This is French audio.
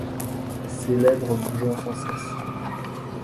ses lèvres bougeant sans cesse.